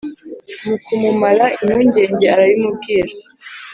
Mu kumumara impungenge arabimubwira,